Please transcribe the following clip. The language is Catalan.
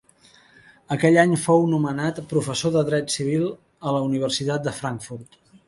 Aquell any fou nomenat professor de dret civil a la Universitat de Frankfurt.